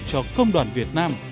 cho công đoàn việt nam